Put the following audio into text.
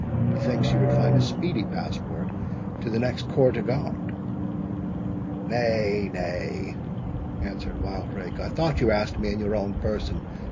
"Methinks you would find a speedy passport to the next corps de garde." "Nay, nay," answered Wildrake, "I thought you asked me in your own person.